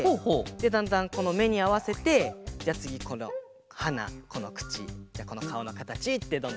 でだんだんこのめにあわせてじゃあつぎこのはなこのくちじゃあこのかおのかたちってどんどんつくってくんだけど。